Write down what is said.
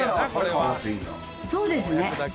そうですね。